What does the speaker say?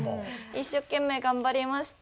一生懸命頑張りました。